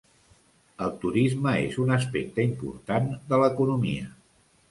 El turisme és un aspecte important de l'economia.